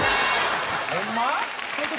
ホンマ？